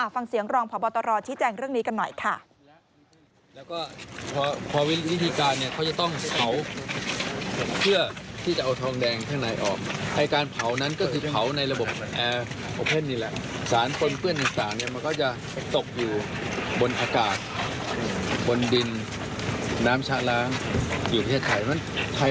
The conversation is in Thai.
ฟังเสียงรองพบตรชี้แจงเรื่องนี้กันหน่อยค่ะ